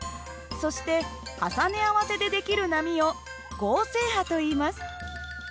そして重ね合わせで出来る波を合成波といいます。